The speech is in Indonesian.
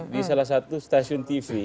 di salah satu stasiun tv